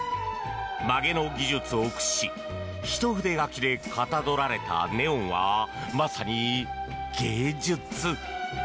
曲げの技術を駆使し一筆書きでかたどられたネオンはまさに芸術。